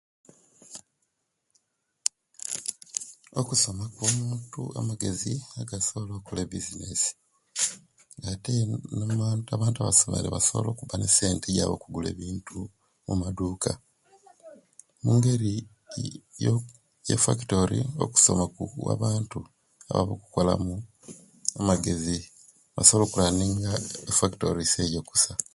Okusoma kuwa omuntu amagezi agokola ebizinesi ate abantu abasomere balina esente ejab okugula ebintu okumaduka. Mungeri eya factori okusoma kuwa abantu ababa okukola mu emagezi basobola okuranninga efactories ejo kusa